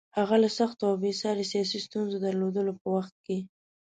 هغه له سختو او بې ساري سیاسي ستونزو درلودلو په وخت کې.